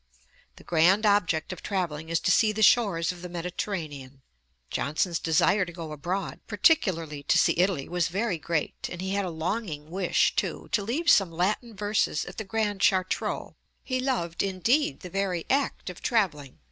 The grand object of travelling is to see the shores of the Mediterranean."' Ib. p. 36. 'Johnson's desire to go abroad, particularly to see Italy, was very great; and he had a longing wish, too, to leave some Latin verses at the Grand Chartreux. He loved indeed the very act of travelling....